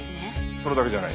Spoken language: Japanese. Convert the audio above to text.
それだけじゃない。